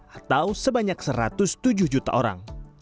atau sebanyak satu ratus tujuh juta orang